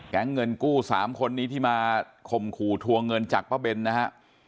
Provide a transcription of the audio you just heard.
เงินกู้๓คนนี้ที่มาข่มขู่ทวงเงินจากป้าเบนนะฮะ